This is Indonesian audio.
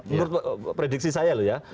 menurut prediksi saya loh ya